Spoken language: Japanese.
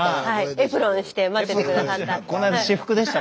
エプロンして待ってて下さった。